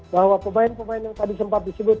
bahwa pemain pemain yang tadi sempat disebut